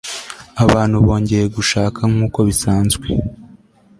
abantu bongeye gushaka nkuko bisanzwe